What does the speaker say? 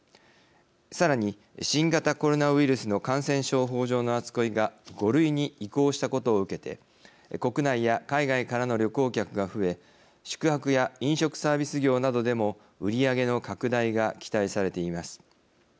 さらに新型コロナウイルスの感染症法上の扱いが５類に移行したことを受けて国内や海外からの旅行客が増え宿泊や飲食サービス業などでも売り上げの拡大が期待されています。